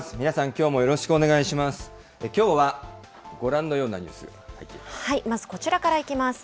きょうはご覧のようなニュース、入っています。